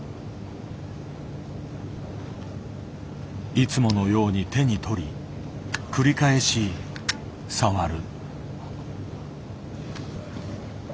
いつものように手に取り繰り返し触る。